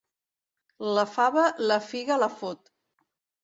La fava, la figa la fot.